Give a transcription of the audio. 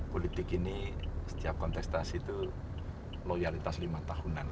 politik ini setiap kontestasi itu loyalitas lima tahunan